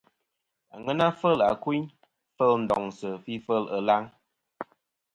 Aŋena fel àkuyn, fel ndoŋsɨ̀, fi fel ɨlaŋ.